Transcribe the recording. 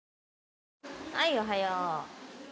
はいおはよう。